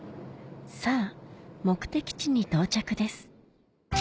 さぁ目的地に到着です